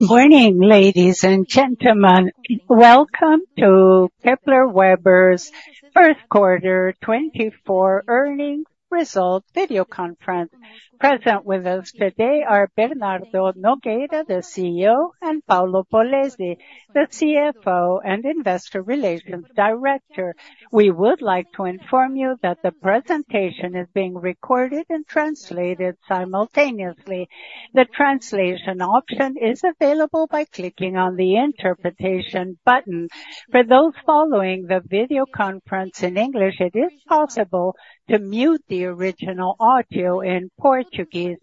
Morning, ladies and gentlemen. Welcome to Kepler Weber's first quarter 2024 earnings result video conference. Present with us today are Bernardo Nogueira, the CEO, and Paulo Polezi, the CFO and Investor Relations Director. We would like to inform you that the presentation is being recorded and translated simultaneously. The translation option is available by clicking on the Interpretation button. For those following the video conference in English, it is possible to mute the original audio in Portuguese.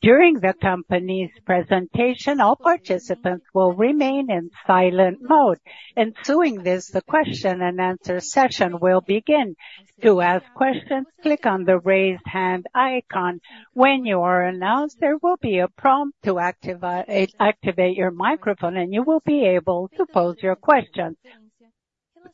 During the company's presentation, all participants will remain in silent mode. Ensuring this, the question-and-answer session will begin. To ask questions, click on the raised hand icon. When you are announced, there will be a prompt to activate your microphone, and you will be able to pose your questions.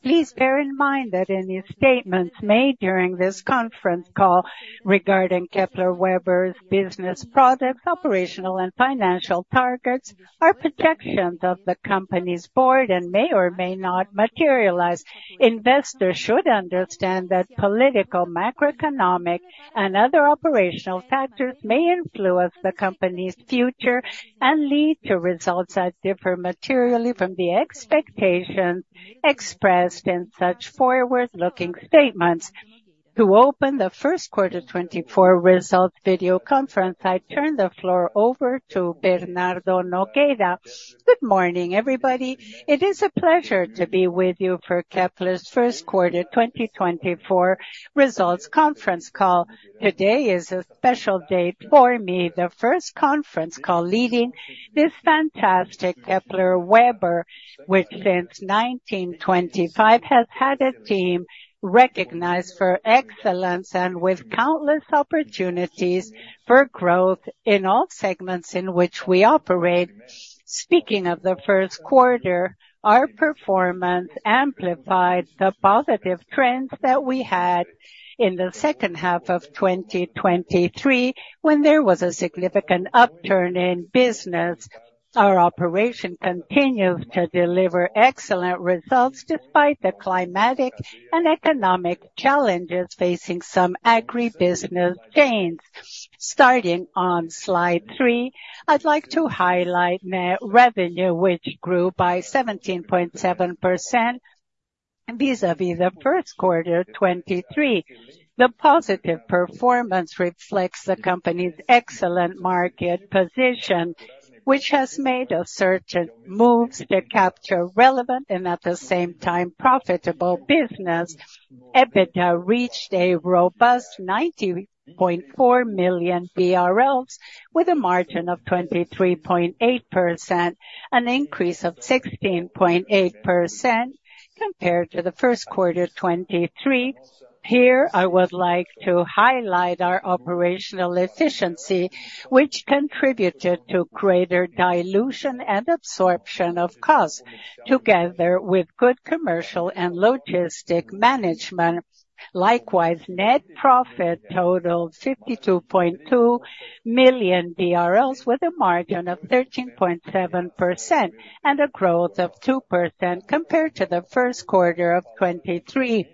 Please bear in mind that any statements made during this conference call regarding Kepler Weber's business products, operational and financial targets, or projections of the company's board may or may not materialize. Investors should understand that political, macroeconomic, and other operational factors may influence the company's future and lead to results that differ materially from the expectations expressed in such forward-looking statements. To open the first quarter 2024 results video conference, I turn the floor over to Bernardo Nogueira. Good morning, everybody. It is a pleasure to be with you for Kepler's first quarter 2024 results conference call. Today is a special day for me, the first conference call leading this fantastic Kepler Weber, which since 1925 has had a team recognized for excellence and with countless opportunities for growth in all segments in which we operate. Speaking of the first quarter, our performance amplified the positive trends that we had in the second half of 2023 when there was a significant upturn in business. Our operation continues to deliver excellent results despite the climatic and economic challenges facing some agribusiness chains. Starting on slide three, I'd like to highlight net revenue, which grew by 17.7% vis-à-vis the first quarter 2023. The positive performance reflects the company's excellent market position, which has made certain moves to capture relevant and at the same time profitable business. EBITDA reached a robust 90.4 million BRL with a margin of 23.8%, an increase of 16.8% compared to the first quarter 2023. Here, I would like to highlight our operational efficiency, which contributed to greater dilution and absorption of costs, together with good commercial and logistic management. Likewise, net profit totaled 52.2 million BRL with a margin of 13.7% and a growth of 2% compared to the first quarter of 2023.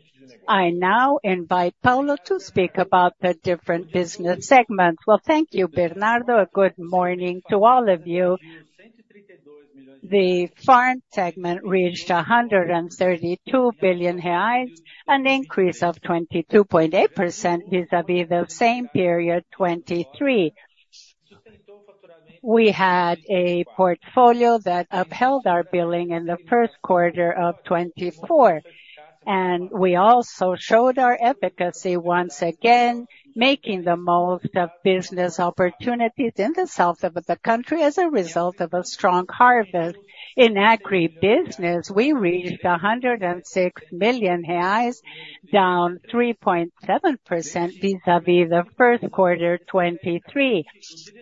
I now invite Paulo to speak about the different business segments. Well, thank you, Bernardo. A good morning to all of you. The farm segment reached 132 billion reais, an increase of 22.8% vis-à-vis the same period 2023. We had a portfolio that upheld our billing in the first quarter of 2024, and we also showed our efficacy once again, making the most of business opportunities in the south of the country as a result of a strong harvest. In agribusiness, we reached 106 million reais, down 3.7% vis-à-vis the first quarter 2023.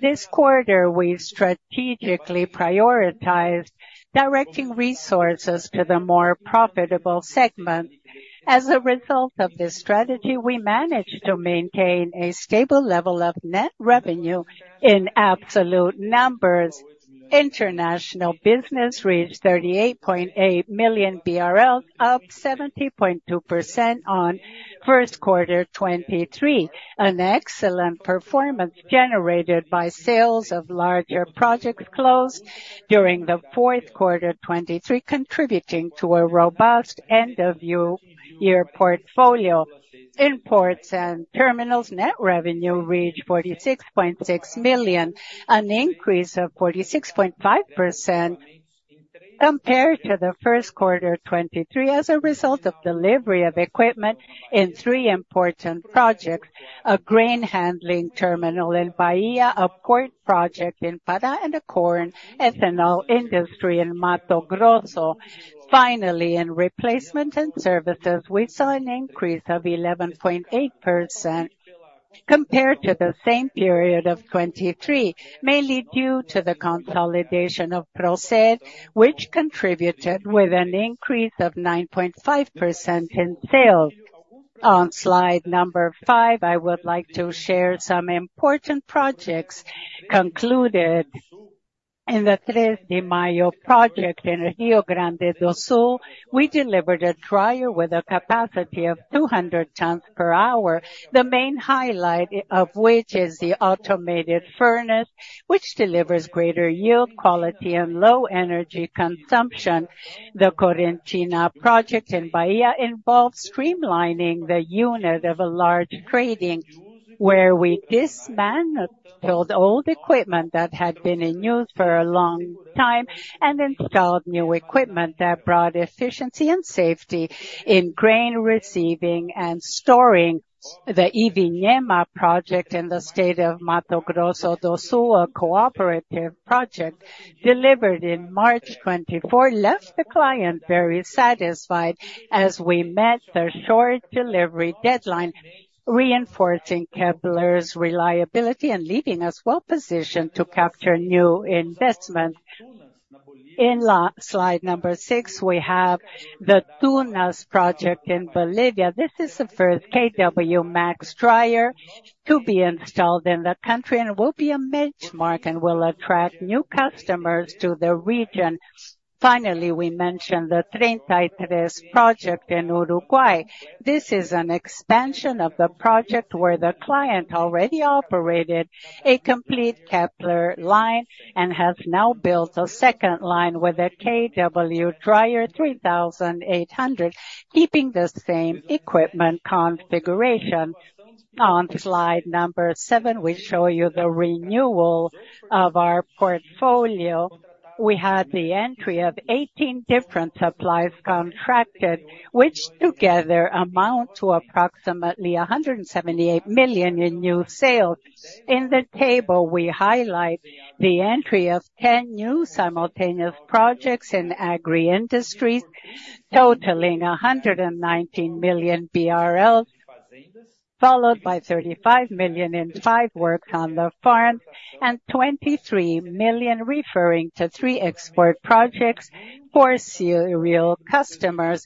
This quarter, we strategically prioritized directing resources to the more profitable segments. As a result of this strategy, we managed to maintain a stable level of net revenue in absolute numbers. International Business reached 38.8 million BRL, up 70.2% on first quarter 2023. An excellent performance generated by sales of larger projects closed during the fourth quarter 2023, contributing to a robust end-of-year portfolio. Ports and Terminals net revenue reached 46.6 million, an increase of 46.5% compared to the first quarter 2023 as a result of delivery of equipment in three important projects: a grain handling terminal in Bahia, a port project in Pará, and a corn/ethanol industry in Mato Grosso. Finally, in Replacement and Services, we saw an increase of 11.8% compared to the same period of 2023, mainly due to the consolidation of Procer, which contributed with an increase of 9.5% in sales. On slide number five, I would like to share some important projects. Concluded in the Três de Maio project in Rio Grande do Sul, we delivered a dryer with a capacity of 200 tons per hour, the main highlight of which is the automated furnace, which delivers greater yield, quality, and low energy consumption. The Correntina project in Bahia involved streamlining the unit of a large trading where we dismantled old equipment that had been in use for a long time and installed new equipment that brought efficiency and safety in grain receiving and storing. The Ivinhema project in the state of Mato Grosso do Sul, a cooperative project delivered in March 2024, left the client very satisfied as we met the short delivery deadline, reinforcing Kepler's reliability and leaving us well-positioned to capture new investments. On slide number 6, we have the Tunas project in Bolivia. This is the first KW Max dryer to be installed in the country and will be a benchmark and will attract new customers to the region. Finally, we mention the Treinta y Tres project in Uruguay. This is an expansion of the project where the client already operated a complete Kepler line and has now built a second line with a KW dryer 3800, keeping the same equipment configuration. On slide number 7, we show you the renewal of our portfolio. We had the entry of 18 different supplies contracted, which together amount to approximately 178 million in new sales. In the table, we highlight the entry of 10 new simultaneous projects in agri-industries, totaling 119 million BRL, followed by 35 million in five works on the farm and 23 million referring to three export projects for serial customers,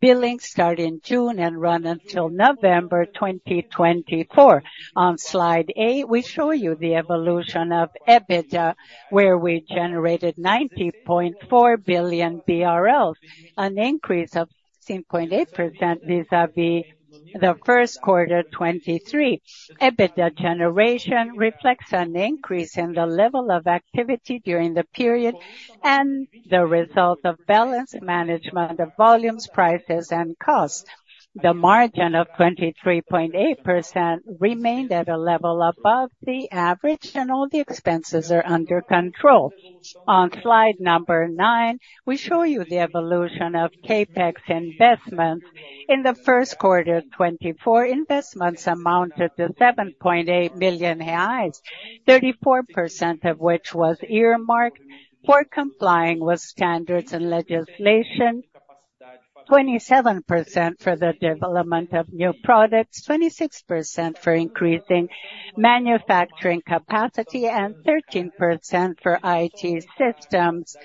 billing starting June and run until November 2024. On slide 8, we show you the evolution of EBITDA, where we generated 90.4 billion BRL, an increase of 16.8% vis-à-vis the first quarter 2023. EBITDA generation reflects an increase in the level of activity during the period and the result of balanced management of volumes, prices, and costs. The margin of 23.8% remained at a level above the average, and all the expenses are under control. On slide number 9, we show you the evolution of CapEx investments. In the first quarter 2024, investments amounted to 7.8 million reais, 34% of which was earmarked for complying with standards and legislation, 27% for the development of new products, 26% for increasing manufacturing capacity, and 13% for IT systems.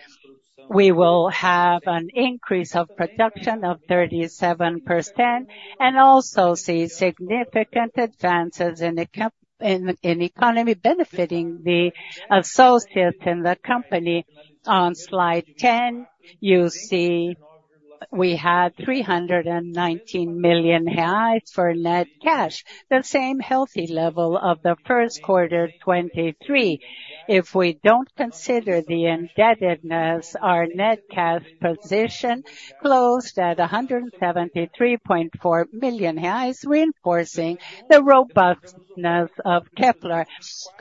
We will have an increase of production of 37% and also see significant advances in the economy, benefiting the associates in the company. On slide 10, you see we had 319 million reais for net cash, the same healthy level of the first quarter 2023. If we don't consider the indebtedness, our net cash position closed at 173.4 million reais, reinforcing the robustness of Kepler.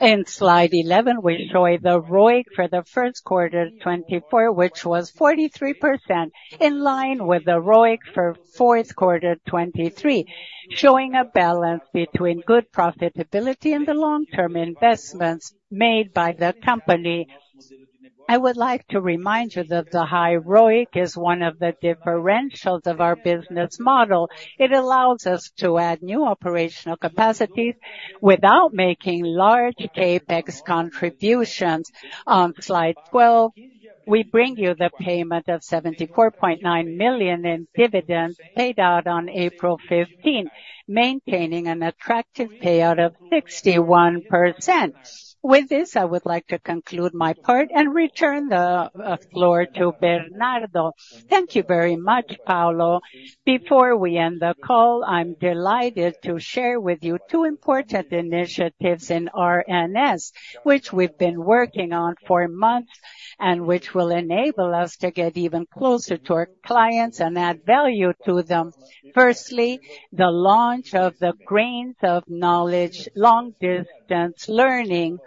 On slide 11, we show the ROIC for the first quarter 2024, which was 43%, in line with the ROIC for fourth quarter 2023, showing a balance between good profitability and the long-term investments made by the company. I would like to remind you that the high ROIC is one of the differentials of our business model. It allows us to add new operational capacities without making large CapEx contributions. On slide 12, we bring you the payment of 74.9 million in dividends paid out on April 15, maintaining an attractive payout of 61%. With this, I would like to conclude my part and return the floor to Bernardo. Thank you very much, Paulo. Before we end the call, I'm delighted to share with you two important initiatives in RNS, which we've been working on for months and which will enable us to get even closer to our clients and add value to them. Firstly, the launch of the Grains of Knowledge long-distance learning.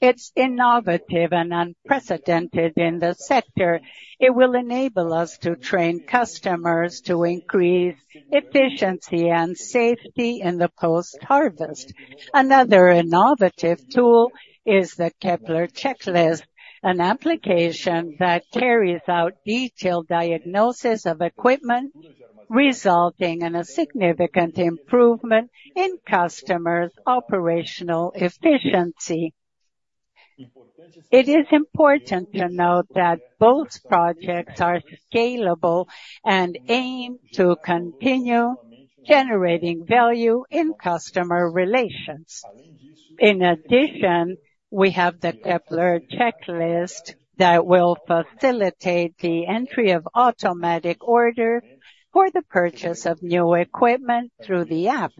It's innovative and unprecedented in the sector. It will enable us to train customers to increase efficiency and safety in the post-harvest. Another innovative tool is the Kepler Checklist, an application that carries out detailed diagnosis of equipment, resulting in a significant improvement in customers' operational efficiency. It is important to note that both projects are scalable and aim to continue generating value in customer relations. In addition, we have the Kepler Checklist that will facilitate the entry of automatic orders for the purchase of new equipment through the app,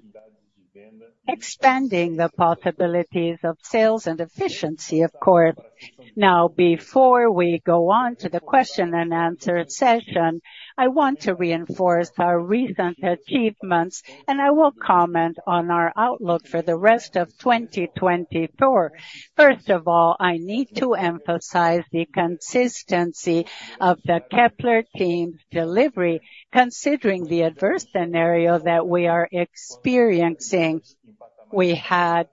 expanding the possibilities of sales and efficiency, of course. Now, before we go on to the question-and-answer session, I want to reinforce our recent achievements, and I will comment on our outlook for the rest of 2024. First of all, I need to emphasize the consistency of the Kepler team's delivery, considering the adverse scenario that we are experiencing. We had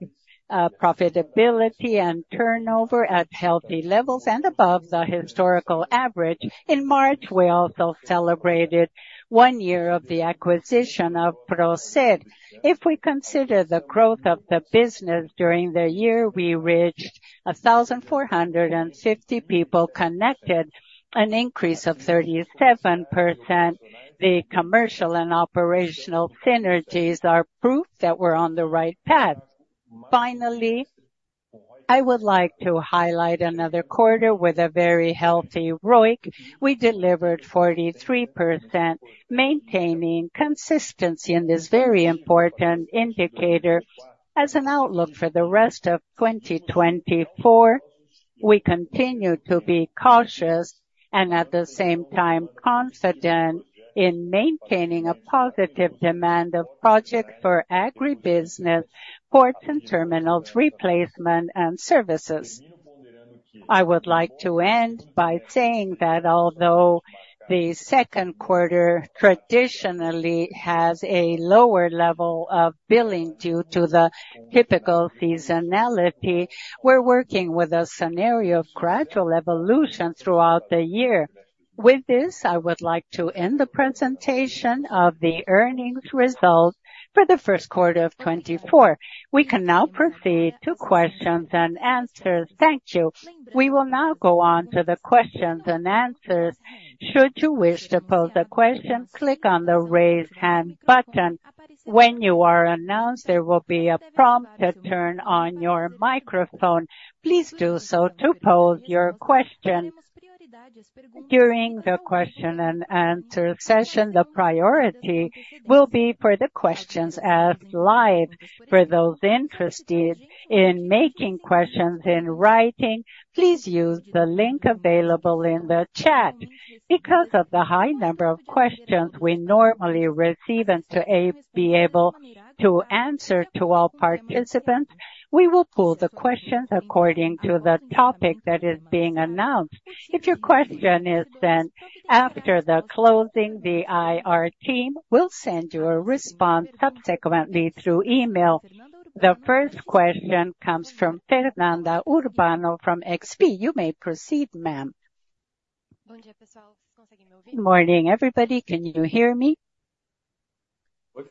profitability and turnover at healthy levels and above the historical average. In March, we also celebrated one year of the acquisition of Procer. If we consider the growth of the business during the year, we reached 1,450 people connected, an increase of 37%. The commercial and operational synergies are proof that we're on the right path. Finally, I would like to highlight another quarter with a very healthy ROIC. We delivered 43%, maintaining consistency in this very important indicator. As an outlook for the rest of 2024, we continue to be cautious and at the same time confident in maintaining a positive demand of projects for Agribusiness, Ports and Terminals, Replacement, and Services. I would like to end by saying that although the second quarter traditionally has a lower level of billing due to the typical seasonality, we're working with a scenario of gradual evolution throughout the year. With this, I would like to end the presentation of the earnings results for the first quarter of 2024. We can now proceed to questions and answers. Thank you. We will now go on to the questions and answers. Should you wish to pose a question, click on the raise hand button. When you are announced, there will be a prompt to turn on your microphone. Please do so to pose your question. During the question-and-answer session, the priority will be for the questions asked live. For those interested in making questions in writing, please use the link available in the chat. Because of the high number of questions we normally receive and to be able to answer to all participants, we will pull the questions according to the topic that is being announced. If your question is sent after the closing, the IR team will send you a response subsequently through email. The first question comes from Fernanda Urbano from XP. You may proceed, ma'am. Good morning, everybody. Can you hear me? Hello,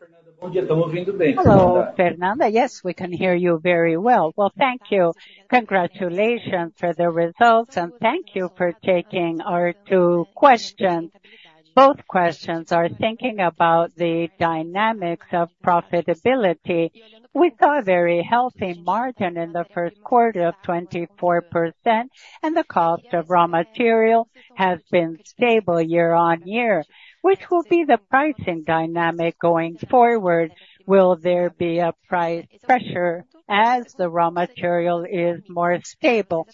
Fernanda. Yes, we can hear you very well. Well, thank you. Congratulations for the results, and thank you for taking our two questions. Both questions are thinking about the dynamics of profitability. We saw a very healthy margin in the first quarter of 2024, 24%, and the cost of raw material has been stable year-over-year. Which will be the pricing dynamic going forward? Will there be a price pressure as the raw material is more stable?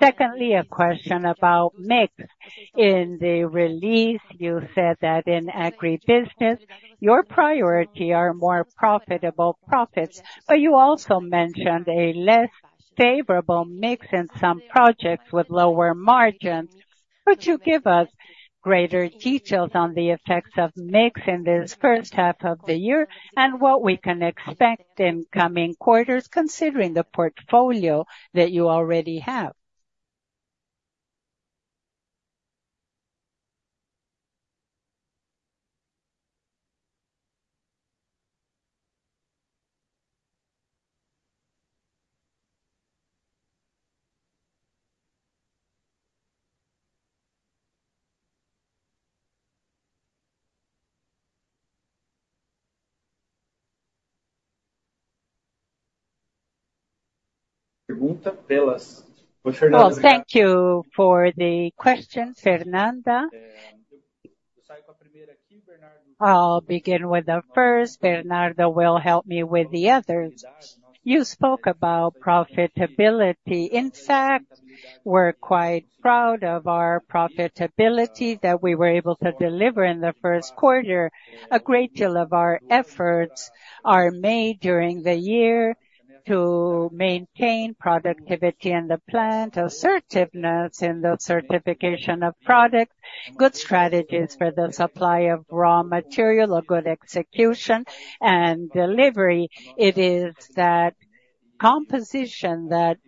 Secondly, a question about mix. In the release, you said that in agribusiness, your priority are more profitable profits, but you also mentioned a less favorable mix in some projects with lower margins. Could you give us greater details on the effects of mix in this first half of the year and what we can expect in coming quarters considering the portfolio that you already have? Oh, thank you for the question, Fernanda. I'll begin with the first. Bernardo will help me with the others. You spoke about profitability. In fact, we're quite proud of our profitability that we were able to deliver in the first quarter. A great deal of our efforts are made during the year to maintain productivity in the plant, assertiveness in the certification of products, good strategies for the supply of raw material, a good execution and delivery. It is that composition that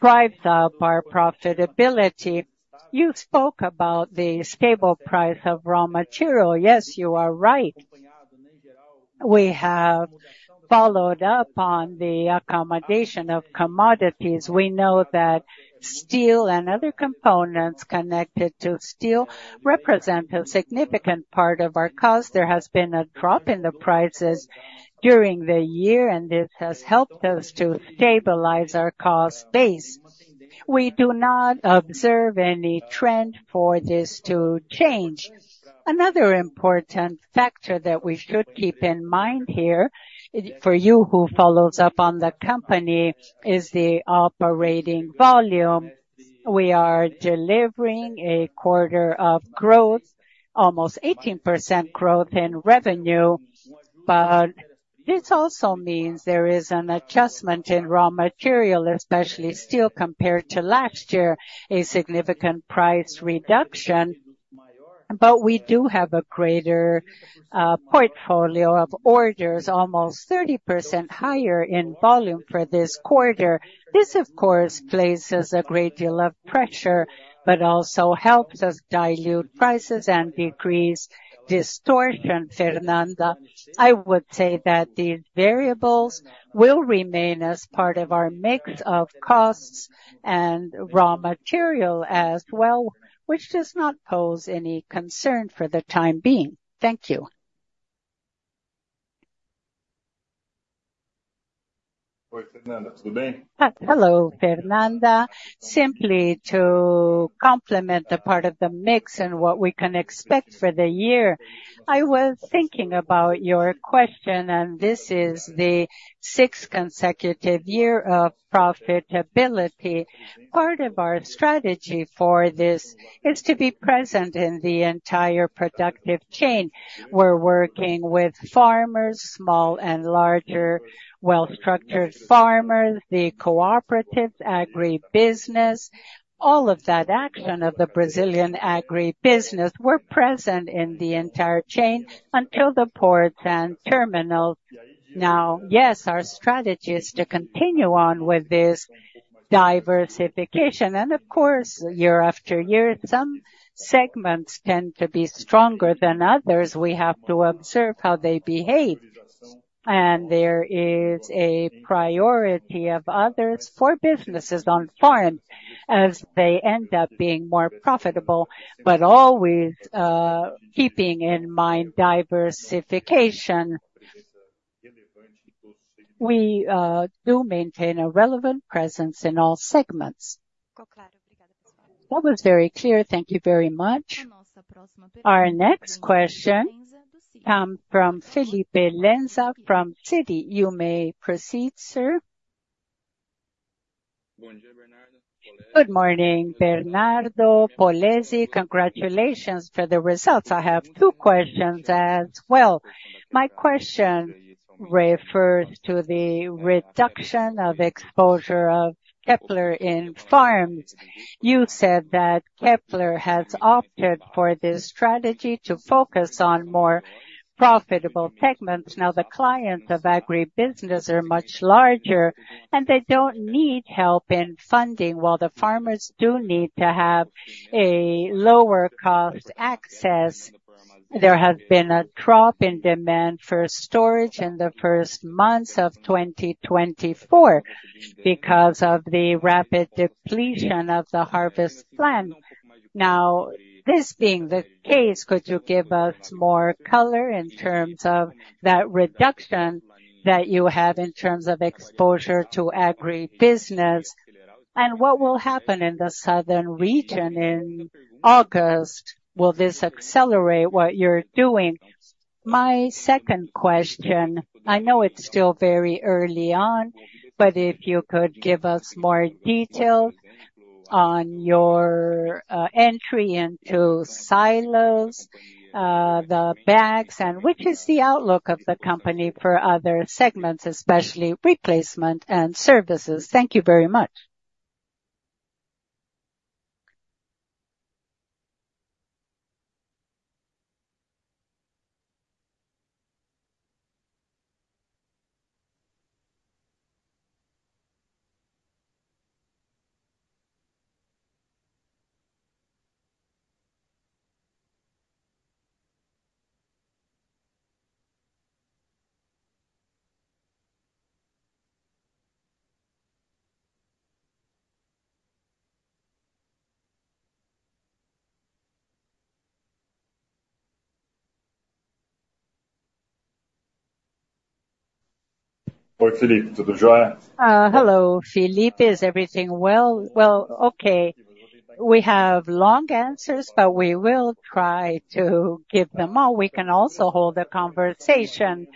drives up our profitability. You spoke about the stable price of raw material. Yes, you are right. We have followed up on the accommodation of commodities. We know that steel and other components connected to steel represent a significant part of our costs. There has been a drop in the prices during the year, and this has helped us to stabilize our cost base. We do not observe any trend for this to change. Another important factor that we should keep in mind here for you who follow up on the company is the operating volume. We are delivering a quarter of growth, almost 18% growth in revenue, but this also means there is an adjustment in raw material, especially steel compared to last year, a significant price reduction. We do have a greater portfolio of orders, almost 30% higher in volume for this quarter. This, of course, places a great deal of pressure but also helps us dilute prices and decrease distortion, Fernanda. I would say that these variables will remain as part of our mix of costs and raw material as well, which does not pose any concern for the time being. Thank you. Hello, Fernanda. Simply to complement the part of the mix and what we can expect for the year, I was thinking about your question, and this is the sixth consecutive year of profitability. Part of our strategy for this is to be present in the entire productive chain. We're working with farmers, small and larger, well-structured farmers, the cooperatives, agribusiness, all of that action of the Brazilian agribusiness. We're present in the entire chain until the ports and terminals. Now, yes, our strategy is to continue on with this diversification. And of course, year after year, some segments tend to be stronger than others. We have to observe how they behave. And there is a priority of others for businesses on farm as they end up being more profitable, but always keeping in mind diversification. We do maintain a relevant presence in all segments. That was very clear. Thank you very much. Our next question comes from Felipe Lenza from Citi. You may proceed, sir. Good morning, Bernardo, Polezi. Congratulations for the results. I have two questions as well. My question refers to the reduction of exposure of Kepler in farms. You said that Kepler has opted for this strategy to focus on more profitable segments. Now, the clients of agribusiness are much larger, and they don't need help in funding, while the farmers do need to have a lower cost access. There has been a drop in demand for storage in the first months of 2024 because of the rapid depletion of the harvest plan. Now, this being the case, could you give us more color in terms of that reduction that you have in terms of exposure to agribusiness? And what will happen in the southern region in August? Will this accelerate what you're doing? My second question, I know it's still very early on, but if you could give us more detail on your entry into silos, the bags, and which is the outlook of the company for other segments, especially replacement and services. Thank you very much. Hello, Felipe. Is everything well? Well, okay. We have long answers, but we will try to give them all. We can also hold a conversation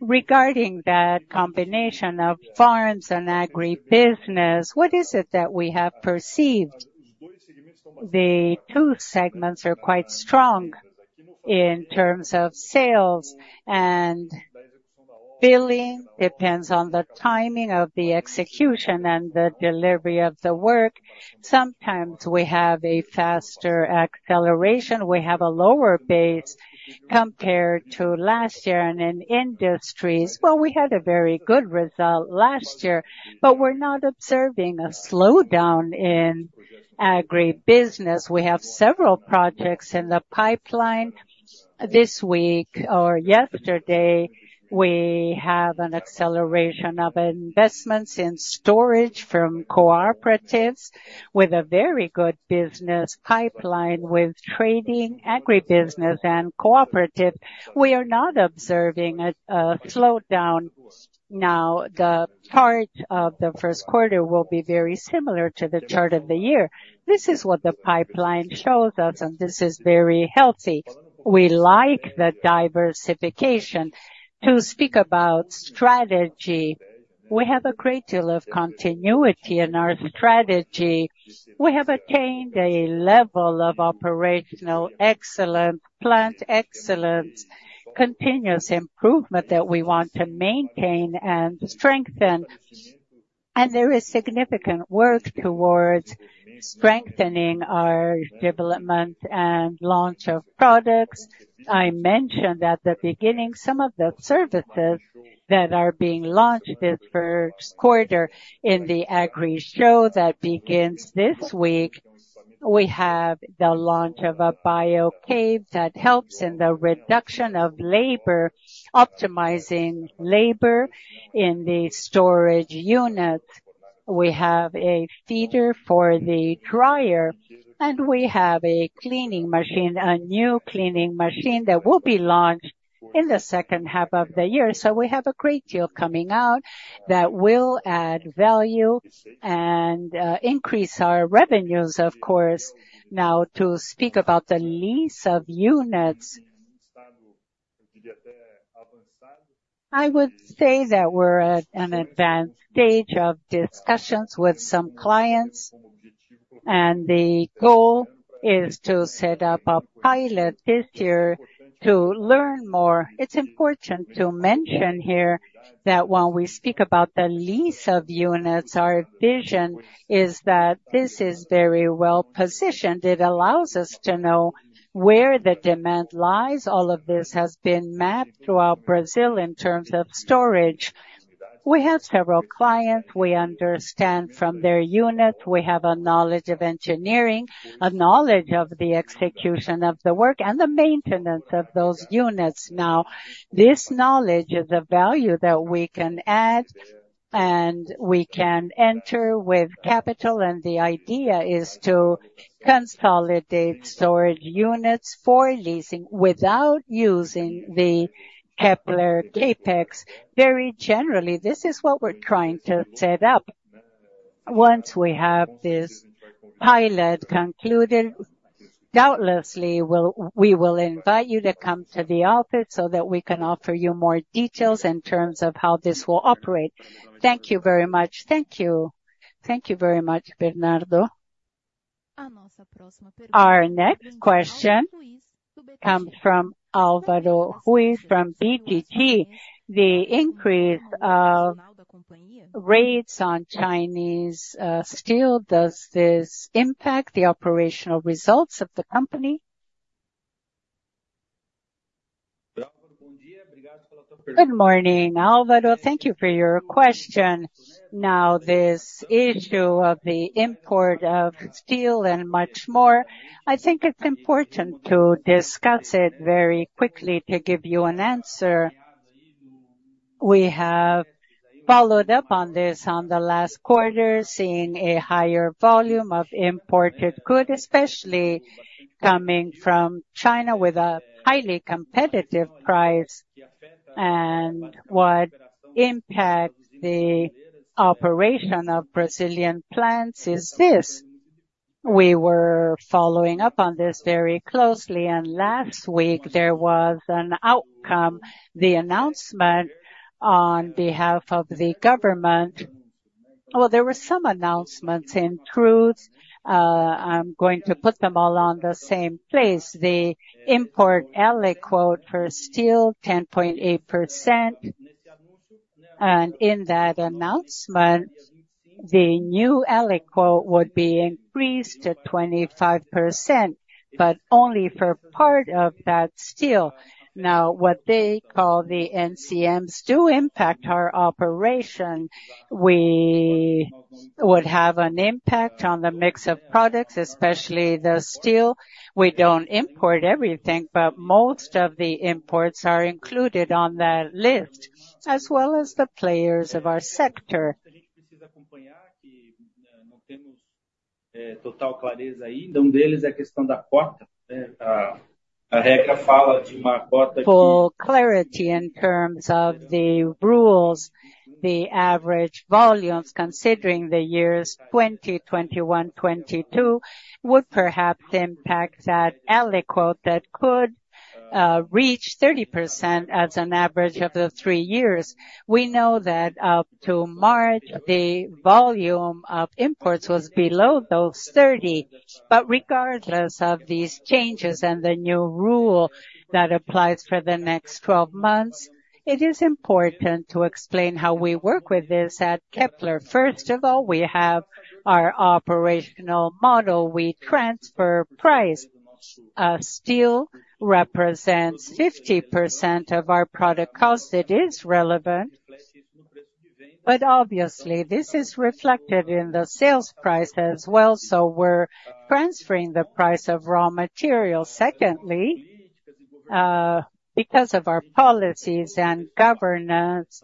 regarding that combination of farms and agribusiness. What is it that we have perceived? The two segments are quite strong in terms of sales, and billing depends on the timing of the execution and the delivery of the work. Sometimes we have a faster acceleration. We have a lower base compared to last year. In industries, well, we had a very good result last year, but we're not observing a slowdown in agribusiness. We have several projects in the pipeline. This week or yesterday, we have an acceleration of investments in storage from cooperatives with a very good business pipeline with trading, agribusiness, and cooperatives. We are not observing a slowdown now. The chart of the first quarter will be very similar to the chart of the year. This is what the pipeline shows us, and this is very healthy. We like the diversification. To speak about strategy, we have a great deal of continuity in our strategy. We have attained a level of operational excellence, plant excellence, continuous improvement that we want to maintain and strengthen. There is significant work towards strengthening our development and launch of products. I mentioned at the beginning some of the services that are being launched this first quarter in the Agrishow that begins this week. We have the launch of a BioCav that helps in the reduction of labor, optimizing labor in the storage units. We have a feeder for the dryer, and we have a cleaning machine, a new cleaning machine that will be launched in the second half of the year. So we have a great deal coming out that will add value and increase our revenues, of course. Now, to speak about the lease of units, I would say that we're at an advanced stage of discussions with some clients, and the goal is to set up a pilot this year to learn more. It's important to mention here that when we speak about the lease of units, our vision is that this is very well positioned. It allows us to know where the demand lies. All of this has been mapped throughout Brazil in terms of storage. We have several clients. We understand from their units. We have a knowledge of engineering, a knowledge of the execution of the work, and the maintenance of those units now. This knowledge is a value that we can add, and we can enter with capital. And the idea is to consolidate storage units for leasing without using the Kepler CapEx. Very generally, this is what we're trying to set up. Once we have this pilot concluded, doubtlessly we will invite you to come to the office so that we can offer you more details in terms of how this will operate. Thank you very much. Thank you. Thank you very much, Bernardo. Our next question comes from Álvaro Rui from BTG. The increase of rates on Chinese steel, does this impact the operational results of the company? Good morning, Álvaro. Thank you for your question. Now, this issue of the import of steel and much more, I think it's important to discuss it very quickly to give you an answer. We have followed up on this on the last quarter, seeing a higher volume of imported goods, especially coming from China with a highly competitive price. And what impacts the operation of Brazilian plants is this. We were following up on this very closely. And last week, there was an outcome, the announcement on behalf of the government. Well, there were some announcements in truth. I'm going to put them all on the same place. The import aliquot for steel, 10.8%. And in that announcement, the new aliquot would be increased to 25%, but only for part of that steel. Now, what they call the NCMs do impact our operation. We would have an impact on the mix of products, especially the steel. We don't import everything, but most of the imports are included on that list, as well as the players of our sector. Full clarity in terms of the rules, the average volumes, considering the years 2021-2022, would perhaps impact that aliquot that could reach 30% as an average of the three years. We know that up to March, the volume of imports was below those 30%. But regardless of these changes and the new rule that applies for the next 12 months, it is important to explain how we work with this at Kepler. First of all, we have our operational model. We transfer price. Steel represents 50% of our product cost. It is relevant, but obviously, this is reflected in the sales price as well. So we're transferring the price of raw materials. Secondly, because of our policies and governance,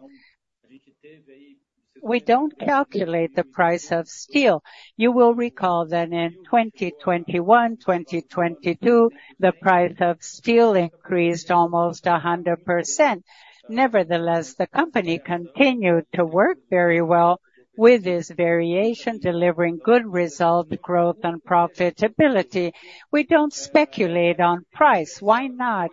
we don't calculate the price of steel. You will recall that in 2021-2022, the price of steel increased almost 100%. Nevertheless, the company continued to work very well with this variation, delivering good result, growth, and profitability. We don't speculate on price. Why not?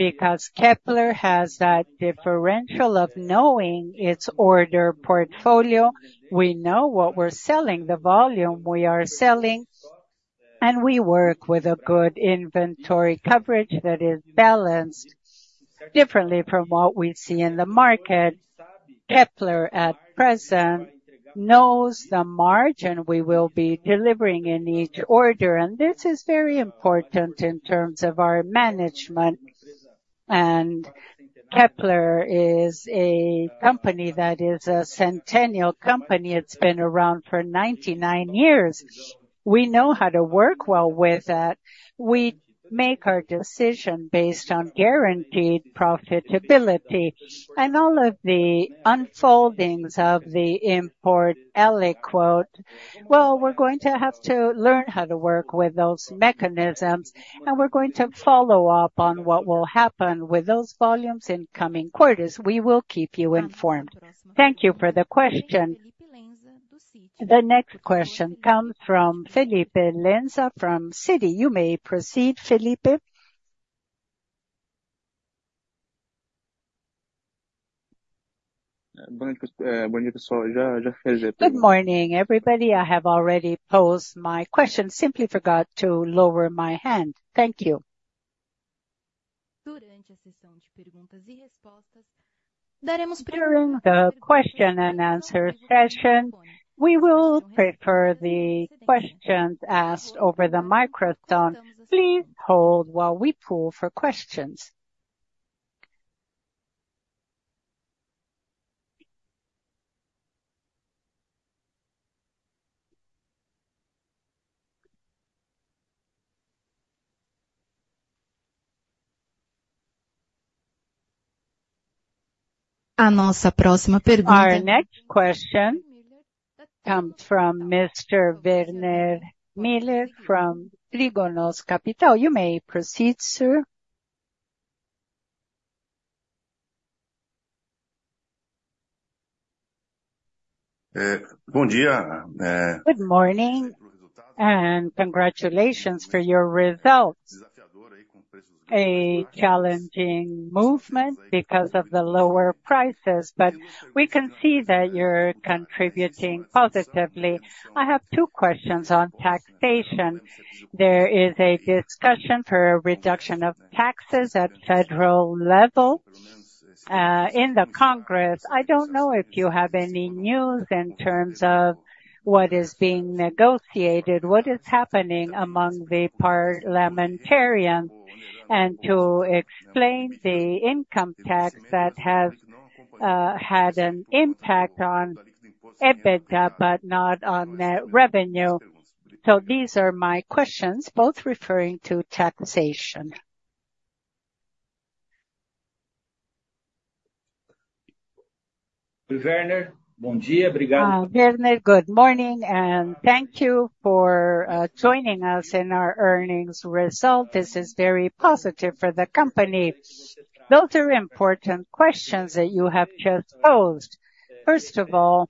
Because Kepler has that differential of knowing its order portfolio. We know what we're selling, the volume we are selling, and we work with a good inventory coverage that is balanced differently from what we see in the market. Kepler at present knows the margin we will be delivering in each order. This is very important in terms of our management. Kepler is a company that is a centennial company. It's been around for 99 years. We know how to work well with that. We make our decision based on guaranteed profitability. And all of the unfoldings of the import aliquot, well, we're going to have to learn how to work with those mechanisms. And we're going to follow up on what will happen with those volumes in coming quarters. We will keep you informed. Thank you for the question. The next question comes from Felipe Lenza from Citi. You may proceed, Felipe. Good morning, everybody. I have already posed my question. Simply forgot to lower my hand. Thank you. Daremos priority to the question and answer session. We will prefer the questions asked over the microphone. Please hold while we pull for questions. Our next question comes from Mr. Werner Roger from Trígono Capital. You may proceed, sir. Good morning. And congratulations for your results. A challenging movement because of the lower prices, but we can see that you're contributing positively. I have two questions on taxation. There is a discussion for a reduction of taxes at federal level in the Congress. I don't know if you have any news in terms of what is being negotiated, what is happening among the parliamentarians, and to explain the income tax that has had an impact on EBITDA but not on revenue. So these are my questions, both referring to taxation. Werner, good morning. And thank you for joining us in our earnings result. This is very positive for the company. Those are important questions that you have just posed. First of all,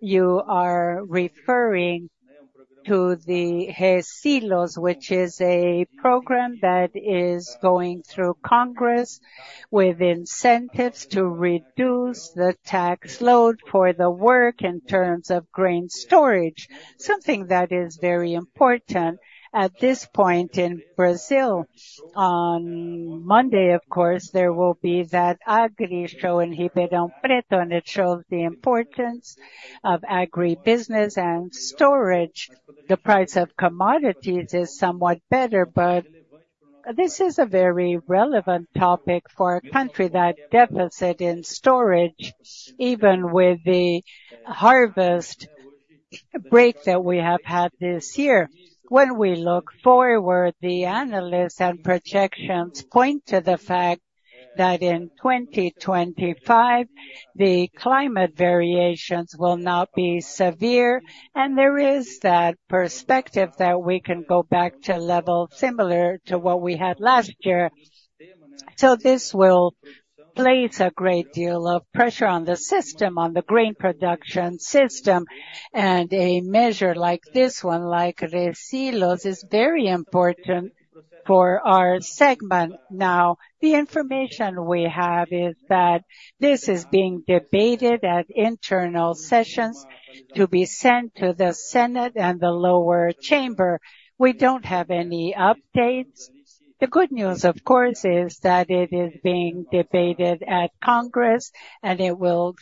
you are referring to the G-Silos, which is a program that is going through Congress with incentives to reduce the tax load for the work in terms of grain storage, something that is very important at this point in Brazil. On Monday, of course, there will be that Agrishow in Ribeirão Preto. It shows the importance of agribusiness and storage. The price of commodities is somewhat better, but this is a very relevant topic for a country: that deficit in storage, even with the harvest break that we have had this year. When we look forward, the analysts and projections point to the fact that in 2025, the climate variations will not be severe. There is that perspective that we can go back to levels similar to what we had last year. This will place a great deal of pressure on the system, on the grain production system. A measure like this one, like GESILOS, is very important for our segment now. The information we have is that this is being debated at internal sessions to be sent to the Senate and the lower chamber. We don't have any updates. The good news, of course, is that it is being debated at Congress, and it will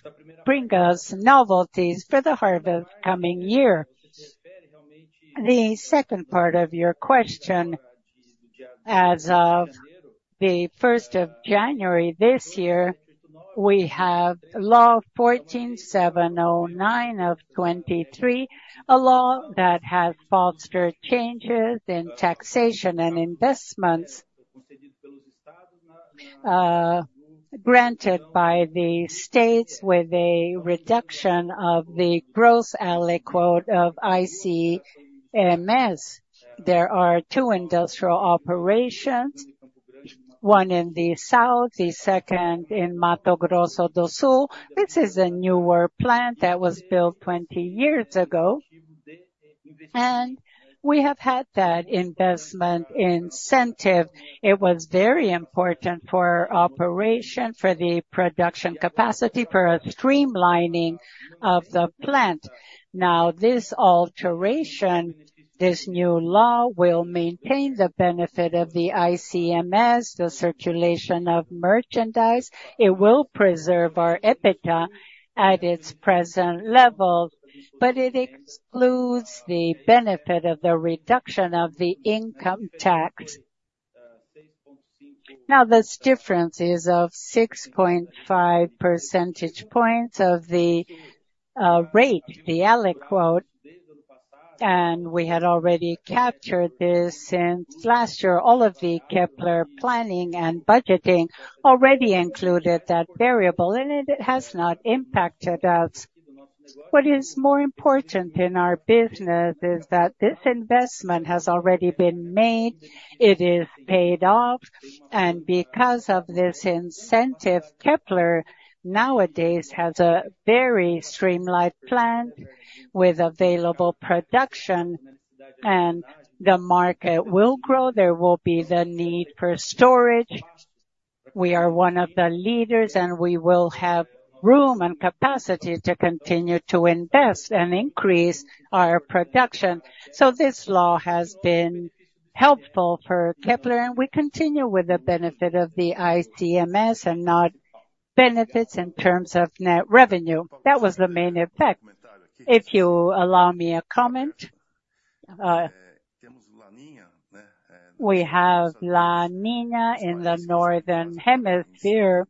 bring us novelties for the harvest coming year. The second part of your question, as of the 1st of January this year, we have Law 14.709 of 2023, a law that has fostered changes in taxation and investments granted by the states with a reduction of the gross aliquot of ICMS. There are two industrial operations, one in the south, the second in Mato Grosso do Sul. This is a newer plant that was built 20 years ago. And we have had that investment incentive. It was very important for our operation, for the production capacity, for streamlining of the plant. Now, this alteration, this new law, will maintain the benefit of the ICMS, the circulation of merchandise. It will preserve our EBITDA at its present level, but it excludes the benefit of the reduction of the income tax. Now, the difference is of 6.5 percentage points of the rate, the aliquot. And we had already captured this since last year. All of the Kepler planning and budgeting already included that variable, and it has not impacted us. What is more important in our business is that this investment has already been made. It is paid off. And because of this incentive, Kepler nowadays has a very streamlined plant with available production, and the market will grow. There will be the need for storage. We are one of the leaders, and we will have room and capacity to continue to invest and increase our production. So this law has been helpful for Kepler, and we continue with the benefit of the ICMS and not benefits in terms of net revenue. That was the main effect. If you allow me a comment, we have La Niña in the northern hemisphere.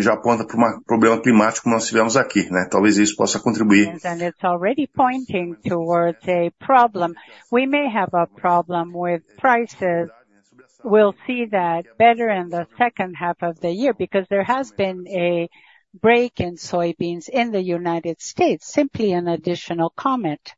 Já aponta para problema climático que nós tivemos aqui. Talvez isso possa contribuir. And it's already pointing towards a problem. We may have a problem with prices. We'll see that better in the second half of the year because there has been a break in soybeans in the United States. Simply an additional comment.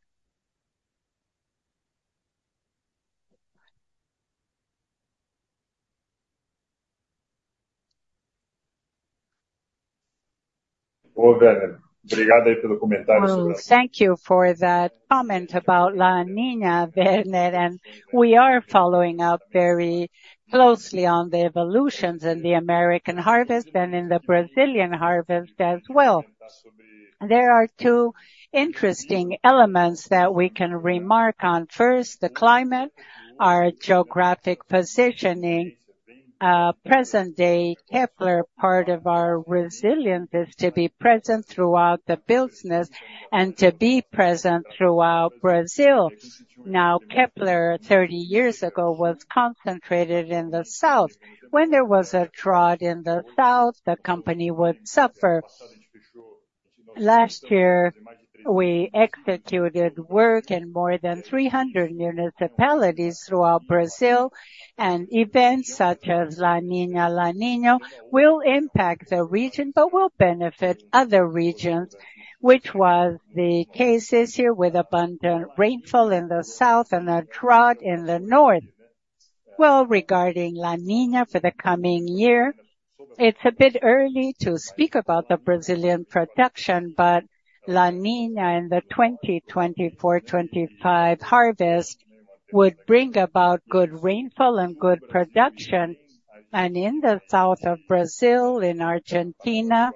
Thank you for that comment about La Niña, Werner. And we are following up very closely on the evolutions in the American harvest and in the Brazilian harvest as well. There are two interesting elements that we can remark on. First, the climate, our geographic positioning. Present-day, Kepler, part of our resilience is to be present throughout the business and to be present throughout Brazil. Now, Kepler, 30 years ago, was concentrated in the south. When there was a drought in the south, the company would suffer. Last year, we executed work in more than 300 municipalities throughout Brazil. Events such as La Niña, La Niña will impact the region but will benefit other regions, which was the case this year with abundant rainfall in the south and a drought in the north. Well, regarding La Niña for the coming year, it's a bit early to speak about the Brazilian production, but La Niña in the 2024-25 harvest would bring about good rainfall and good production. And in the south of Brazil, in Argentina,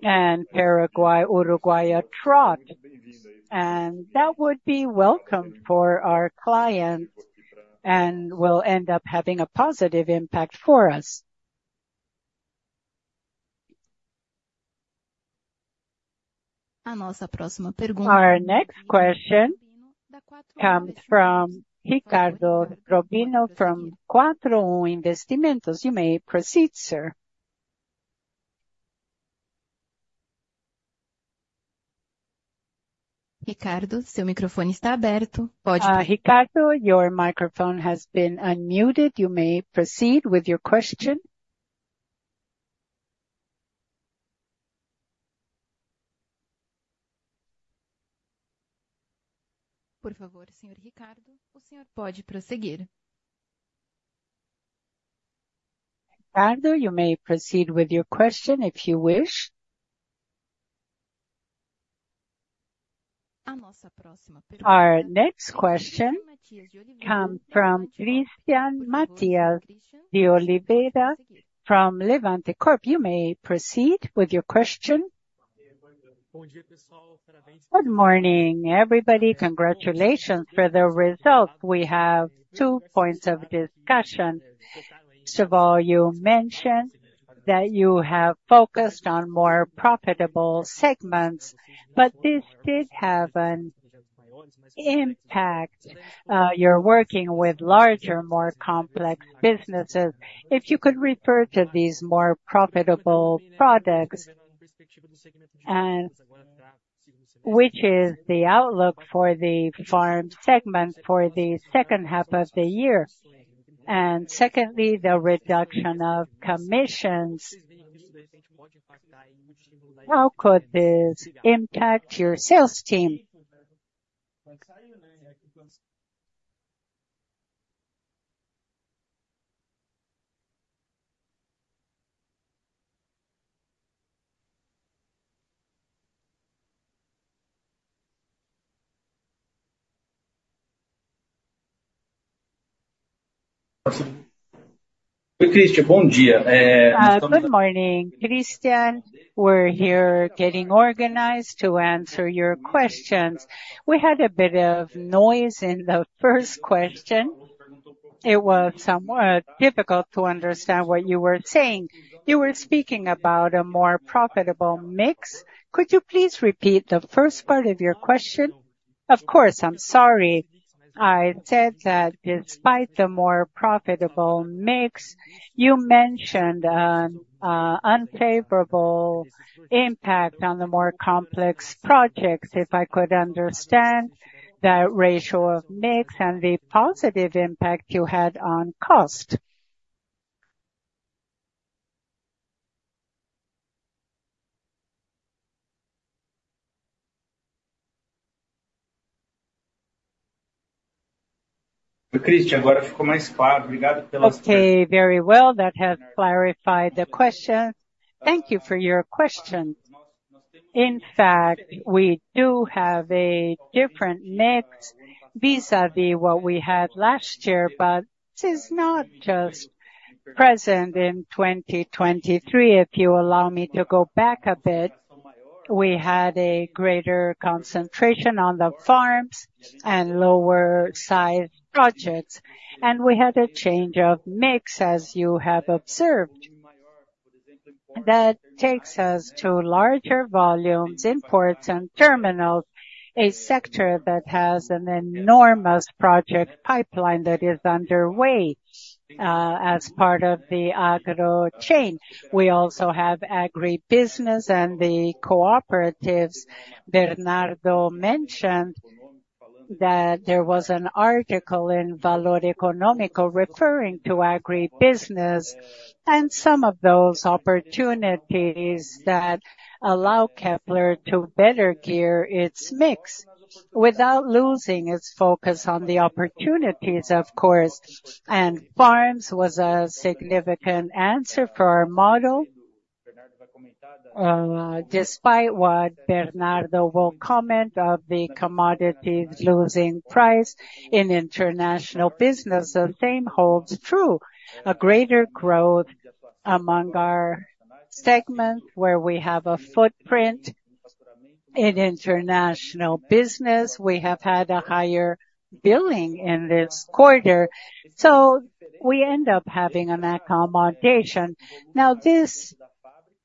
Paraguay, Uruguay, a drought. And that would be welcome for our clients and will end up having a positive impact for us. Our next question comes from Ricardo Robino from 41 Investimentos. You may proceed, sir. Ricardo, seu microfone está aberto. Pode. Ricardo, your microphone has been unmuted. You may proceed with your question. Por favor, senhor Ricardo. O senhor pode prosseguir. Ricardo, you may proceed with your question if you wish. Our next question comes from Cristian Matheus de Oliveira from Levante Corp. You may proceed with your question. Good morning, everybody. Congratulations for the results. We have two points of discussion. First of all, you mentioned that you have focused on more profitable segments, but this did have an impact. You're working with larger, more complex businesses. If you could refer to these more profitable products, which is the outlook for the farm segment for the second half of the year? Secondly, the reduction of commissions. How could this impact your sales team? Oi, Cristian. Bom dia. Good morning, Cristian. We're here getting organized to answer your questions. We had a bit of noise in the first question. It was somewhat difficult to understand what you were saying. You were speaking about a more profitable mix. Could you please repeat the first part of your question? Of course. I'm sorry. I said that despite the more profitable mix, you mentioned an unfavorable impact on the more complex projects, if I could understand that ratio of mix and the positive impact you had on cost. Cristian, agora ficou mais claro. Obrigado pelas. Okay, very well. That has clarified the question. Thank you for your question. In fact, we do have a different mix vis-à-vis what we had last year, but this is not just present in 2023. If you allow me to go back a bit, we had a greater concentration on the farms and lower-sized projects. We had a change of mix, as you have observed. That takes us to larger volumes, imports, and terminals, a sector that has an enormous project pipeline that is underway as part of the agrochain. We also have agribusiness and the cooperatives. Bernardo mentioned that there was an article in Valor Econômico referring to agribusiness and some of those opportunities that allow Kepler to better gear its mix without losing its focus on the opportunities, of course. Farms was a significant answer for our model. Despite what Bernardo will comment of the commodities losing price in international business, the same holds true. A greater growth among our segments, where we have a footprint in international business. We have had a higher billing in this quarter. So we end up having an accommodation. Now, this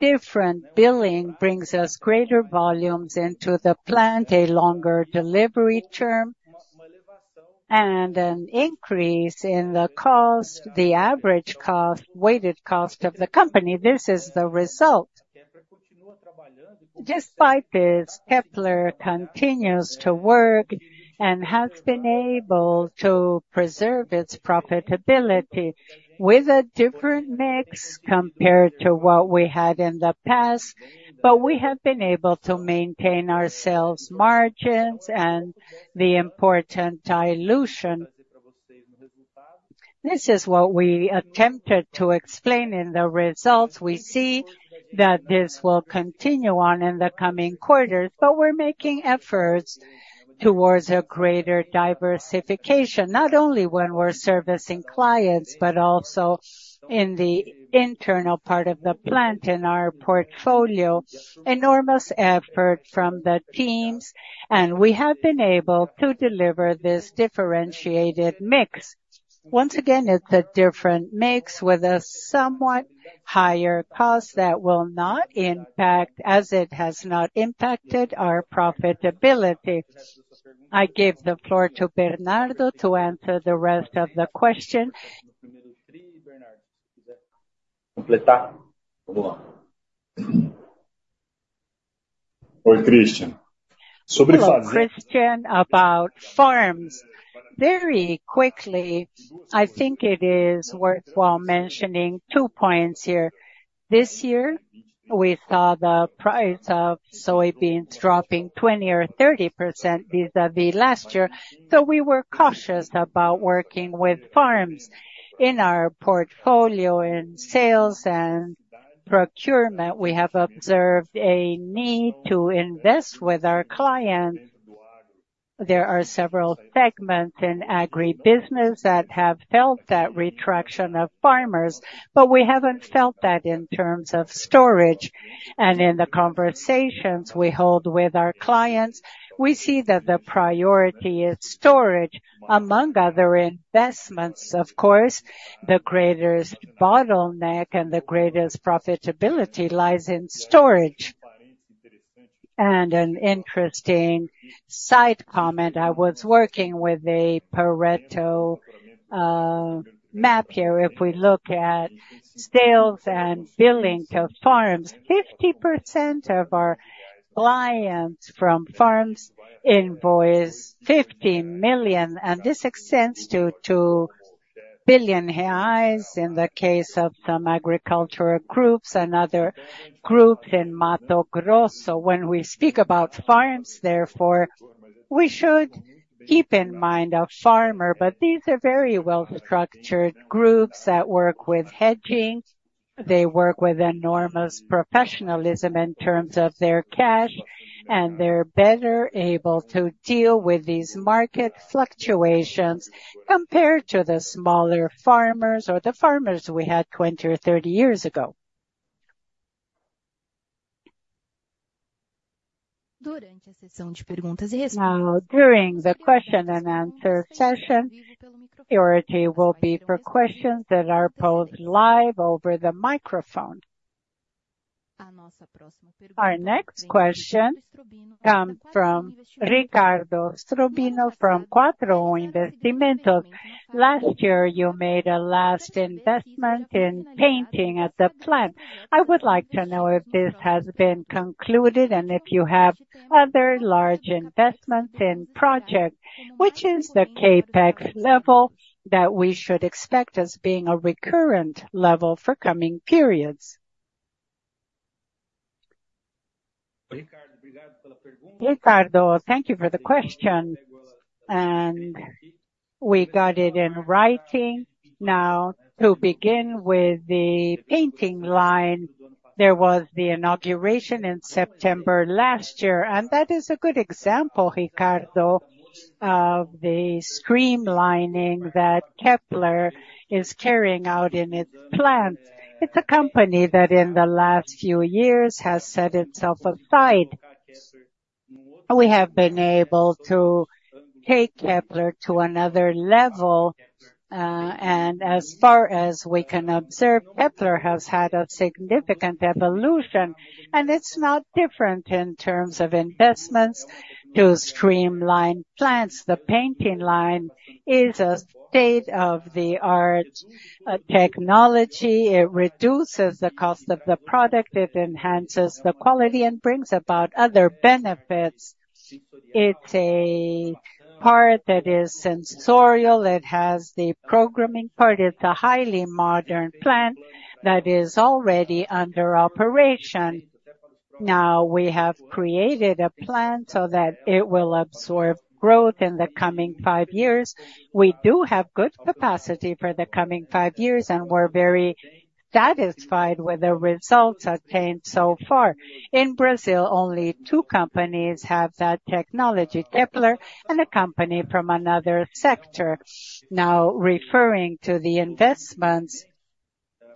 different billing brings us greater volumes into the plant, a longer delivery term, and an increase in the cost, the average cost, weighted cost of the company. This is the result. Despite this, Kepler continues to work and has been able to preserve its profitability with a different mix compared to what we had in the past. But we have been able to maintain ourselves' margins and the important dilution. This is what we attempted to explain in the results. We see that this will continue on in the coming quarters, but we're making efforts towards a greater diversification, not only when we're servicing clients but also in the internal part of the plant, in our portfolio. Enormous effort from the teams, and we have been able to deliver this differentiated mix. Once again, it's a different mix with a somewhat higher cost that will not impact, as it has not impacted, our profitability. I give the floor to Bernardo to answer the rest of the question. Oi, Cristian. Sobre fazer. Cristian, about farms. Very quickly, I think it is worthwhile mentioning two points here. This year, we saw the price of soybeans dropping 20% or 30% vis-à-vis last year. So we were cautious about working with farms. In our portfolio, in sales and procurement, we have observed a need to invest with our clients. There are several segments in agribusiness that have felt that retraction of farmers, but we haven't felt that in terms of storage. And in the conversations we hold with our clients, we see that the priority is storage. Among other investments, of course, the greatest bottleneck and the greatest profitability lies in storage. An interesting side comment. I was working with a Pareto map here. If we look at sales and billing to farms, 50% of our clients from farms invoice 50 million. And this extends to 2 billion reais in the case of some agricultural groups and other groups in Mato Grosso. When we speak about farms, therefore, we should keep in mind a farmer. But these are very well-structured groups that work with hedging. They work with enormous professionalism in terms of their cash, and they're better able to deal with these market fluctuations compared to the smaller farmers or the farmers we had 20 or 30 years ago. Durante a sessão de perguntas e respostas. Now, during the question-and-answer session, the priority will be for questions that are posed live over the microphone. Our next question comes from Ricardo Robino from 41 Investimentos. Last year, you made a last investment in painting at the plant. I would like to know if this has been concluded and if you have other large investments in projects, which is the CapEx level that we should expect as being a recurrent level for coming periods. Ricardo, thank you for the question. We got it in writing. Now, to begin with the painting line, there was the inauguration in September last year. That is a good example, Ricardo, of the streamlining that Kepler is carrying out in its plant. It's a company that, in the last few years, has set itself aside. We have been able to take Kepler to another level. As far as we can observe, Kepler has had a significant evolution. It's not different in terms of investments to streamline plants. The painting line is a state-of-the-art technology. It reduces the cost of the product. It enhances the quality and brings about other benefits. It's a part that is sensorial. It has the programming part. It's a highly modern plant that is already under operation. Now, we have created a plant so that it will absorb growth in the coming five years. We do have good capacity for the coming five years, and we're very satisfied with the results attained so far. In Brazil, only two companies have that technology: Kepler and a company from another sector. Now, referring to the investments,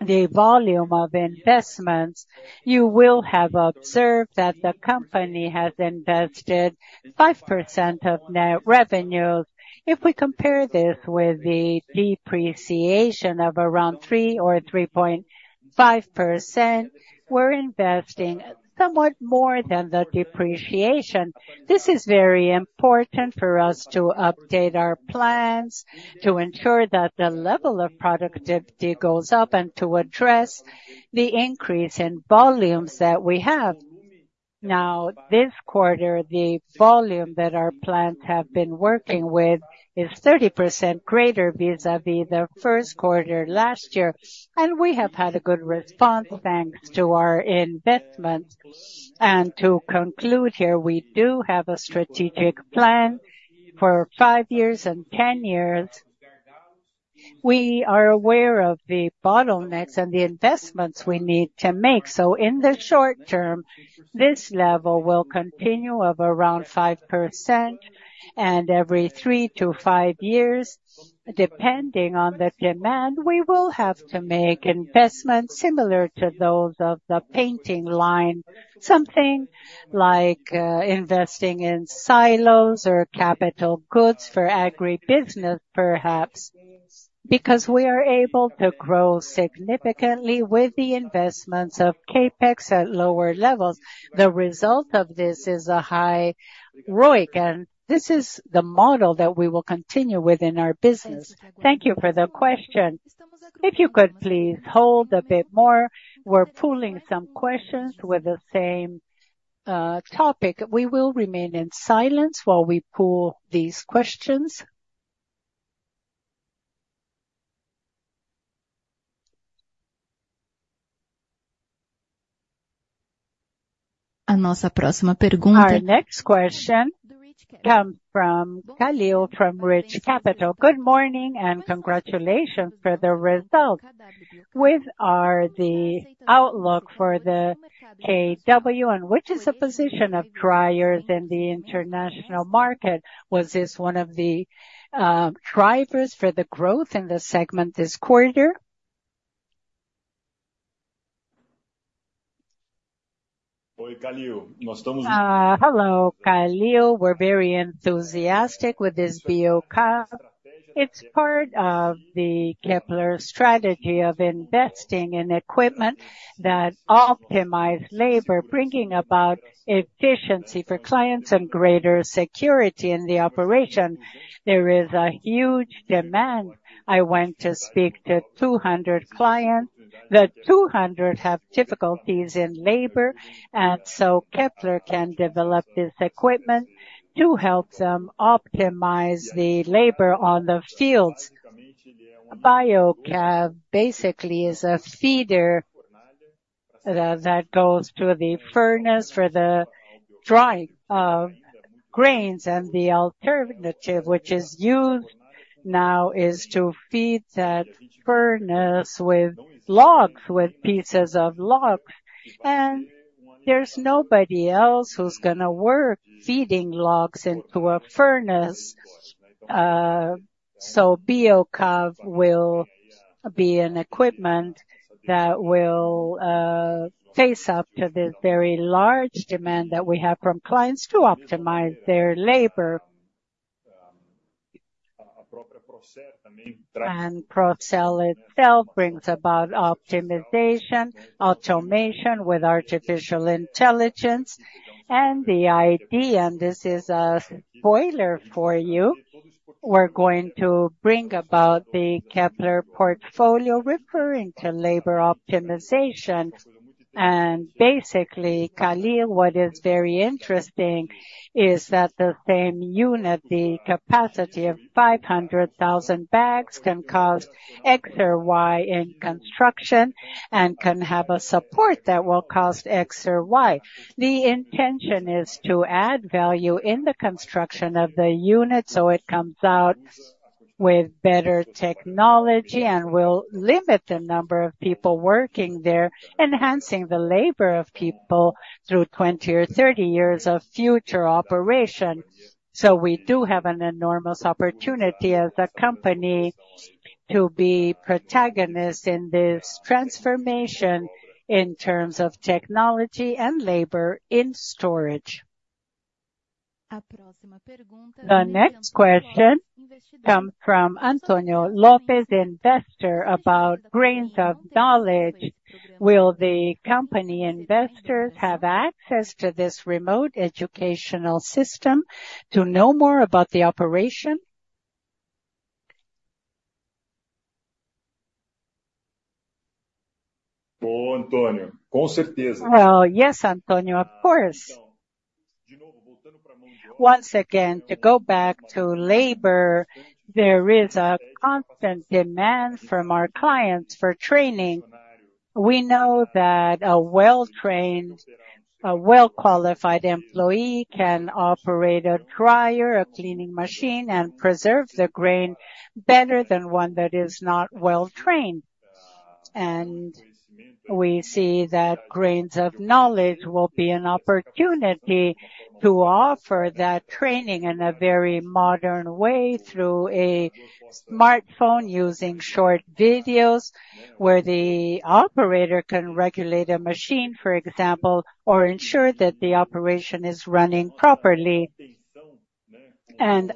the volume of investments, you will have observed that the company has invested 5% of net revenue. If we compare this with the depreciation of around 3%-3.5%, we're investing somewhat more than the depreciation. This is very important for us to update our plans, to ensure that the level of productivity goes up, and to address the increase in volumes that we have. Now, this quarter, the volume that our plants have been working with is 30% greater vis-à-vis the first quarter last year. And we have had a good response thanks to our investments. To conclude here, we do have a strategic plan for five years and 10 years. We are aware of the bottlenecks and the investments we need to make. So, in the short term, this level will continue of around 5%. Every 3-5 years, depending on the demand, we will have to make investments similar to those of the painting line, something like investing in silos or capital goods for agribusiness, perhaps, because we are able to grow significantly with the investments of CapEx at lower levels. The result of this is a high ROIC, and this is the model that we will continue with in our business. Thank you for the question. If you could please hold a bit more. We're pooling some questions with the same topic. We will remain in silence while we pool these questions. A nossa próxima pergunta. Our next question comes from Kalil from Rich Capital. Good morning and congratulations for the result. What is the outlook for the KW, and which is the position of dryers in the international market? Was this one of the drivers for the growth in the segment this quarter? Hello, Kalil. We're very enthusiastic with this Biocav. It's part of the Kepler strategy of investing in equipment that optimizes labor, bringing about efficiency for clients and greater security in the operation. There is a huge demand. I went to speak to 200 clients. The 200 have difficulties in labor, and so Kepler can develop this equipment to help them optimize the labor on the fields. Biocav basically is a feeder that goes to the furnace for the drying of grains. And the alternative, which is used now, is to feed that furnace with logs, with pieces of logs. And there's nobody else who's going to work feeding logs into a furnace. So KW Biocav will be an equipment that will face up to this very large demand that we have from clients to optimize their labor. Procer itself brings about optimization, automation with artificial intelligence. The idea, and this is a spoiler for you, we're going to bring about the Kepler portfolio referring to labor optimization. Basically, Kalil, what is very interesting is that the same unit, the capacity of 500,000 bags, can cost X or Y in construction and can have a support that will cost X or Y. The intention is to add value in the construction of the unit so it comes out with better technology and will limit the number of people working there, enhancing the labor of people through 20 or 30 years of future operation. So we do have an enormous opportunity as a company to be protagonists in this transformation in terms of technology and labor in storage. A próxima pergunta. The next question comes from Antonio Lopez, investor, about grains of knowledge. Will the company investors have access to this remote educational system to know more about the operation? Bom, Antonio, com certeza. Well, yes, Antonio, of course. Once again, to go back to labor, there is a constant demand from our clients for training. We know that a well-trained, a well-qualified employee can operate a dryer, a cleaning machine, and preserve the grain better than one that is not well-trained. We see that Grains of Knowledge will be an opportunity to offer that training in a very modern way through a smartphone using short videos where the operator can regulate a machine, for example, or ensure that the operation is running properly.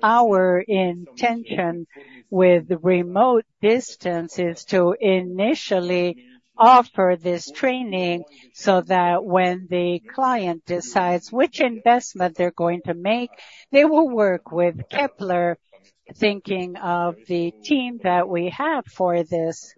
Our intention with remote distance is to initially offer this training so that when the client decides which investment they're going to make, they will work with Kepler, thinking of the team that we have for this.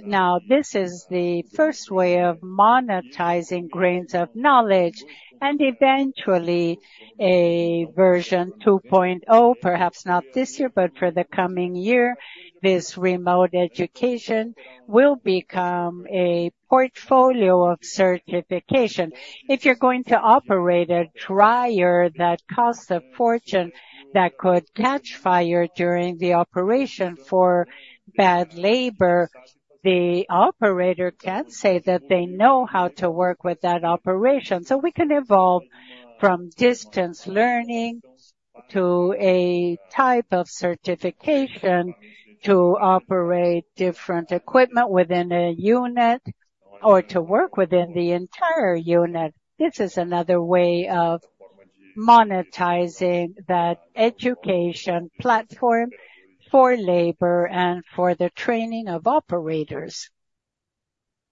Now, this is the first way of monetizing Grains of Knowledge. Eventually, a version 2.0, perhaps not this year, but for the coming year, this remote education will become a portfolio of certification. If you're going to operate a dryer that costs a fortune that could catch fire during the operation for bad labor, the operator can say that they know how to work with that operation. So we can evolve from distance learning to a type of certification to operate different equipment within a unit or to work within the entire unit. This is another way of monetizing that education platform for labor and for the training of operators.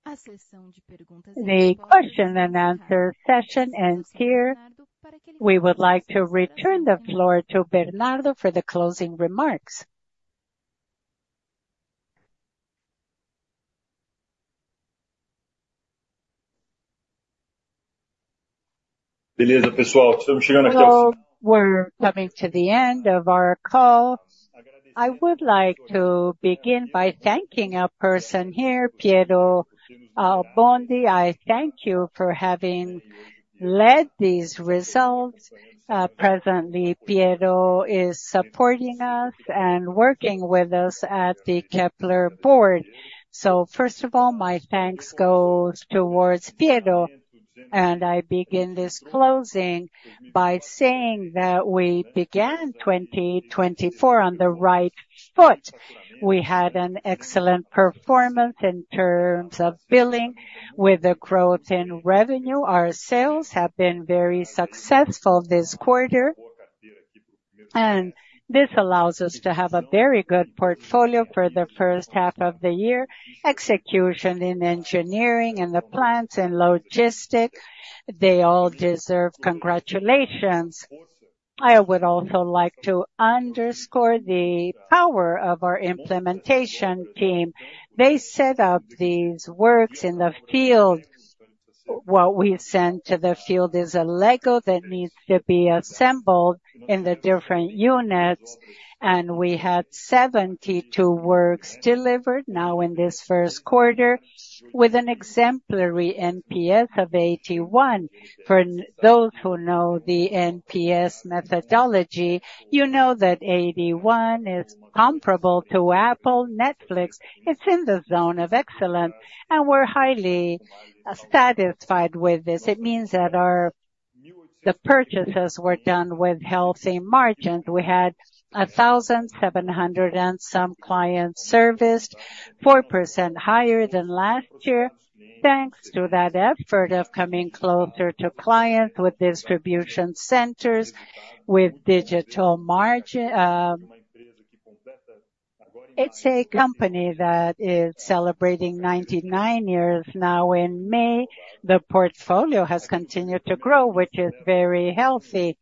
A sessão de perguntas e respostas. The question-and-answer session ends here. We would like to return the floor to Bernardo for the closing remarks. Beleza, pessoal. Estamos chegando aqui ao final. Now, we're coming to the end of our call. I would like to begin by thanking a person here, Piero Abbondi. I thank you for having led these results. Presently, Piero is supporting us and working with us at the Kepler Board. So, first of all, my thanks go towards Piero. I begin this closing by saying that we began 2024 on the right foot. We had an excellent performance in terms of billing with a growth in revenue. Our sales have been very successful this quarter. This allows us to have a very good portfolio for the first half of the year. Execution in engineering and the plants and logistics, they all deserve congratulations. I would also like to underscore the power of our implementation team. They set up these works in the field. What we sent to the field is a Lego that needs to be assembled in the different units. We had 72 works delivered now in this first quarter with an exemplary NPS of 81. For those who know the NPS methodology, you know that 81 is comparable to Apple, Netflix. It's in the zone of excellence. We're highly satisfied with this. It means that the purchases were done with healthy margins. We had 1,700 and some clients serviced, 4% higher than last year thanks to that effort of coming closer to clients with distribution centers with digital marketing. It's a company that is celebrating 99 years now. In May, the portfolio has continued to grow, which is very healthy.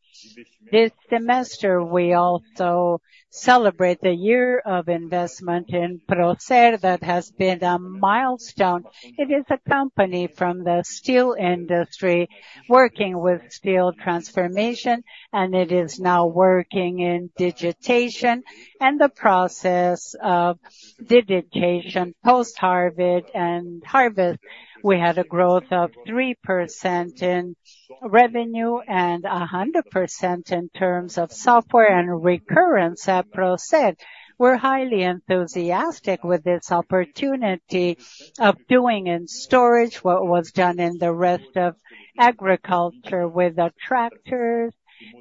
This semester, we also celebrate the year of investment in Procer that has been a milestone. It is a company from the steel industry working with steel transformation. And it is now working in digitization and the process of digitization post-harvest and harvest. We had a growth of 3% in revenue and 100% in terms of software and recurrence at Procer. We're highly enthusiastic with this opportunity of doing in storage what was done in the rest of agriculture with the tractors,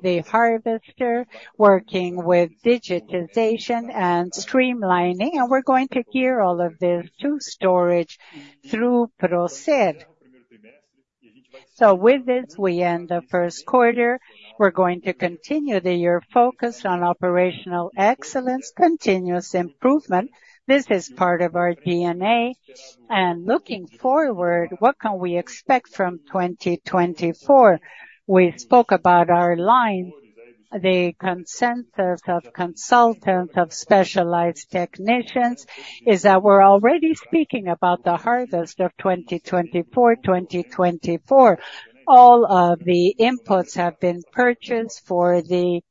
the harvester, working with digitization and streamlining. We're going to gear all of this to storage through Procer. So, with this, we end the first quarter. We're going to continue the year focused on operational excellence, continuous improvement. This is part of our DNA. Looking forward, what can we expect from 2024? We spoke about our line. The consensus of consultants, of specialized technicians, is that we're already speaking about the harvest of 2024, 2024. All of the inputs have been purchased for the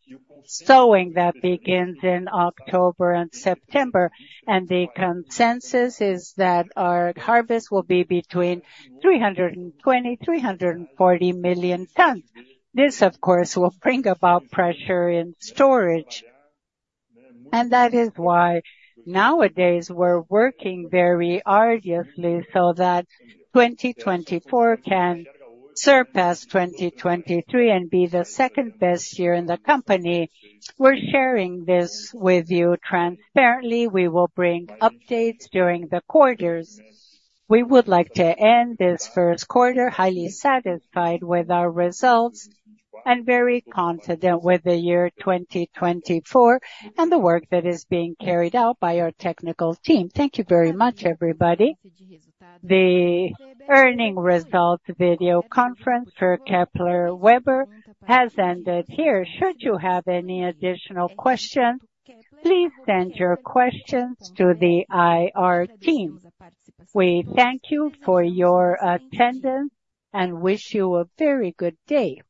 sowing that begins in October and September. The consensus is that our harvest will be between 320-340 million tons. This, of course, will bring about pressure in storage. That is why nowadays we're working very arduously so that 2024 can surpass 2023 and be the second best year in the company. We're sharing this with you transparently. We will bring updates during the quarters. We would like to end this first quarter highly satisfied with our results and very confident with the year 2024 and the work that is being carried out by our technical team. Thank you very much, everybody. The earnings results video conference for Kepler Weber has ended here. Should you have any additional questions, please send your questions to the IR team. We thank you for your attendance and wish you a very good day.